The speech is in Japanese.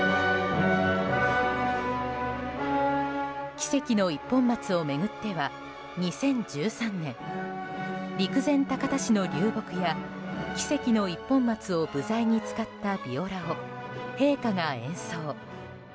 奇跡の一本松を巡っては２０１８年陸前高田市の流木や奇跡の一本松を部材に使ったビオラを陛下が演奏。